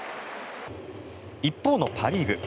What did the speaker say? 一方のパ・リーグ。